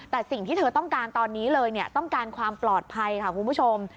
แต่สิ่งที่เธอต้องการตอนนี้เลยต้องการความปลอดภัยค่ะคุณผู้ชม